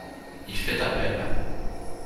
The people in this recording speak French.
Il fait appel.